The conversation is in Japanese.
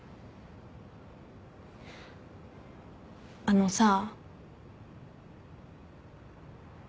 あのさ。